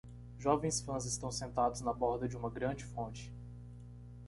Jovens fãs estão sentados na borda de uma grande fonte.